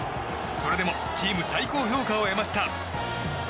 それでもチーム最高評価を得ました。